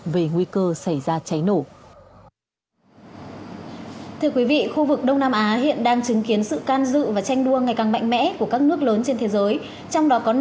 về nguy cơ xảy ra cháy nổ